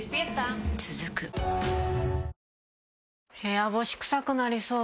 続く部屋干しクサくなりそう。